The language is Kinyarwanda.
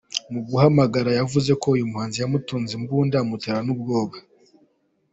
Mu guhamagara yavuze ko uyu muhanzi yamutunze imbunda anamutera ubwoba.